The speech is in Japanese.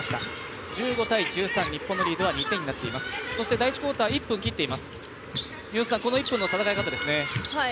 第１クオーターは１分を切っています、この１分の戦い方ですね。